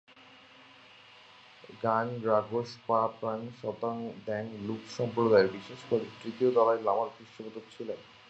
ঙ্গাগ-দ্বাং-গ্রাগ্স-পা-র্গ্যাল-ম্ত্শান স্বয়ং দ্গে-লুগ্স ধর্মসম্প্রদায়ের বিশেষ করে তৃতীয় দলাই লামার পৃষ্ঠপোষক ছিলেন।